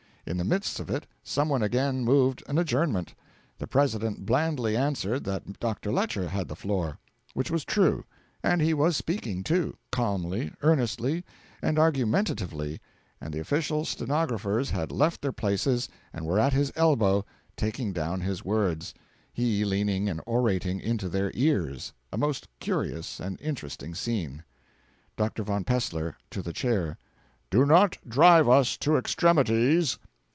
In the midst of it someone again moved an Adjournment. The President blandly answered that Dr. Lecher had the floor. Which was true; and he was speaking, too, calmly, earnestly, and argumentatively; and the official stenographers had left their places and were at his elbows taking down his words, he leaning and orating into their ears a most curious and interesting scene. Dr. von Pessler (to the Chair). 'Do not drive us to extremities!'